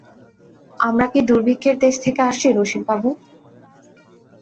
আমরা কি দুর্ভিক্ষের দেশ থেকে আসছি রসিকবাবু?